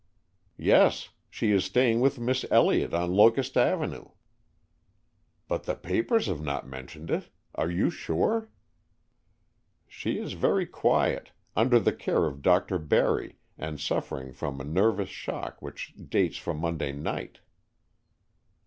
"Yes. She is staying with Miss Elliott on Locust Avenue." "But the papers have not mentioned it. Are you sure?" "She is very quiet, under the care of Dr. Barry, and suffering from a nervous shock which dates from Monday night."